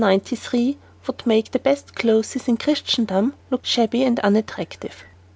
93 would make the best clothes in Christendom look shabby and unattractive.